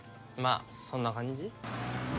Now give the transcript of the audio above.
あそんな感じ？